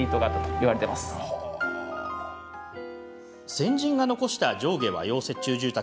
先人が残した上下和洋折衷住宅。